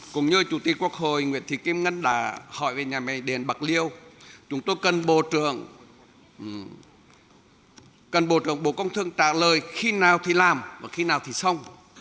cùng như chủ tịch quốc hội nguyễn thị kim ngân đã hỏi về nhà máy điện bạc liêu chúng tôi cần bộ trưởng bộ công thương trả lời khi nào thì làm và khi nào thì xong